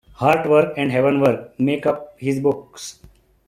Heart-work and heaven-work make up his books.